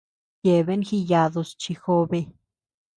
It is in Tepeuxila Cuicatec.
Yeabean jiyadus chi jobe.